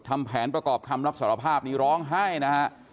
ทำแผนประกอบคำลักษณ์สาราภาพนี้ร้องให้นะครับ